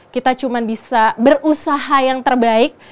kita cuma bisa berusaha yang terbaik